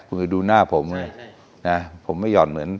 เพราะดูหน้าผมนั้น